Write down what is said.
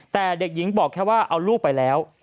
แต่เด็กหญิงบอกแค่ว่าเอาลูกไปแล้ว